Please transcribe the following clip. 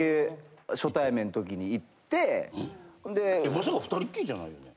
まさか２人っきりじゃないよね？